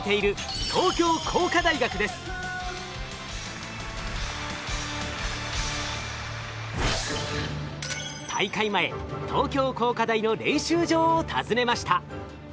前東京工科大の練習場を訪ねました。